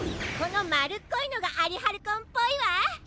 このまるっこいのがアリハルコンっぽいわ！